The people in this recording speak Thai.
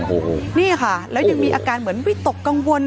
โอ้โหนี่ค่ะแล้วยังมีอาการเหมือนวิตกกังวล